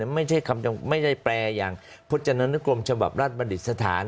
ไม่ใช่แปลอย่างพจนรกรมฉบับราชบัดิสถาน